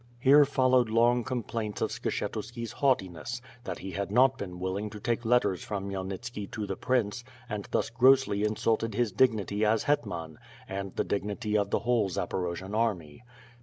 Here followed long complaints of Skshetuski's haughtiness; that he had not been willing to take letters from Khmyel nitski to the prince and thus grossly insulted his dignity as WltH ftRB AifD SWOkD. 287 hetman, and the dignity of the whole Zaporojian army.